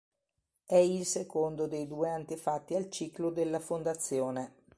È il secondo dei due antefatti al ciclo della Fondazione.